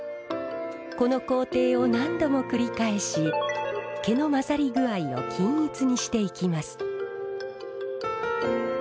この工程を何度も繰り返し毛の混ざり具合を均一にしていきます。